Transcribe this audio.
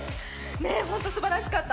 本当にすばらしかった。